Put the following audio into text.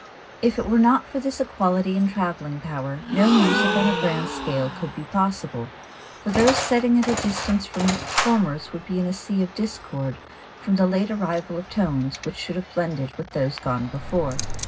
If it were not for this equality in traveling power, no music on a grand scale could be possible, for those sitting at a distance from the performers would be in a sea of discord from the late arrival of tones which should have blended with those gone before.